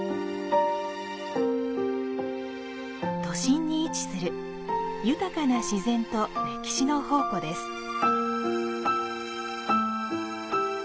都心に位置する豊かな自然と歴史の宝庫です。